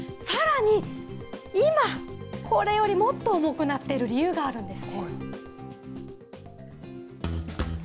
さらに、今、これより重くなっている理由があるんです。